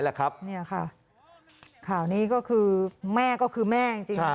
นี่ค่ะข่าวนี้ก็คือแม่ก็คือแม่จริง